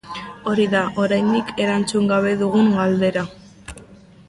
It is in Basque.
Hori da oraindik erantzun gabe dugun galdera.